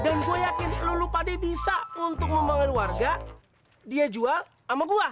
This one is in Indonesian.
dan gua yakin lu pade bisa untuk membawa warga dia jual sama gua